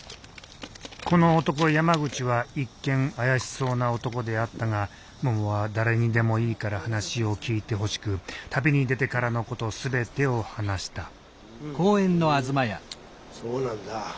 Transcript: この男山口は一見怪しそうな男であったがももは誰にでもいいから話を聞いてほしく旅に出てからのこと全てを話したふんそうなんだ。